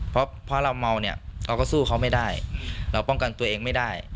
เพราะเราเมาเนี่ยเราก็สู้เขาไม่ได้เราป้องกันตัวเองไม่ได้